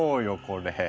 これ。